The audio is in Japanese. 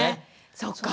そっか。